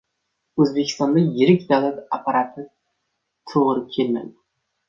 O‘zbekistonga yirik davlat apparati to‘g‘ri kelmaydi.